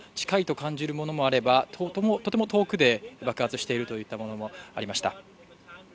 近いと感じるものもあれば、とても遠くで爆発しているといったものもありました。